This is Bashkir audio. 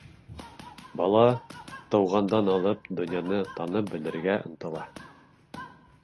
Бала тыуғандан алып донъяны танып белергә ынтыла.